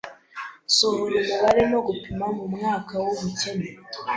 Sohora umubare no gupima mumwaka wubukene